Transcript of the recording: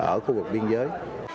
ở khu vực biên giới